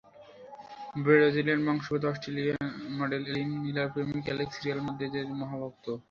Brazilian বংশোদ্ভূত অস্ট্রেলীয় model Elin লিমার প্রেমিক অ্যালেক্স রিয়াল মাদ্রিদের মহা ভক্ত।